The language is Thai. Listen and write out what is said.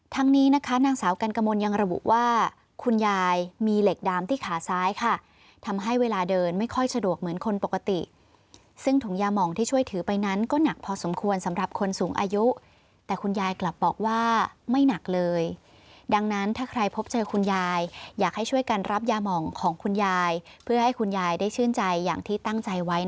นี้นะคะนางสาวกันกมลยังระบุว่าคุณยายมีเหล็กดามที่ขาซ้ายค่ะทำให้เวลาเดินไม่ค่อยสะดวกเหมือนคนปกติซึ่งถุงยาหมองที่ช่วยถือไปนั้นก็หนักพอสมควรสำหรับคนสูงอายุแต่คุณยายกลับบอกว่าไม่หนักเลยดังนั้นถ้าใครพบเจอคุณยายอยากให้ช่วยกันรับยาหม่องของคุณยายเพื่อให้คุณยายได้ชื่นใจอย่างที่ตั้งใจไว้